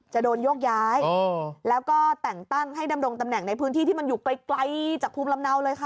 จะโดนโยกย้ายแล้วก็แต่งตั้งให้ดำรงตำแหน่งในพื้นที่ที่มันอยู่ไกลจากภูมิลำเนาเลยค่ะ